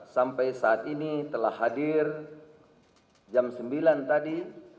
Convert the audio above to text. sampai saat ini telah hadir jam sembilan tadi